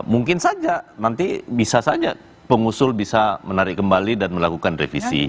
mungkin saja nanti bisa saja pengusul bisa menarik kembali dan melakukan revisi